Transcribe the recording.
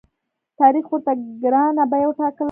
تاریخ ورته ګرانه بیه وټاکله.